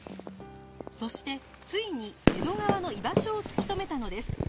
そしてついに江戸川の居場所を突き止めたのです